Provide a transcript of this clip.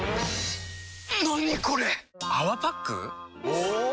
お！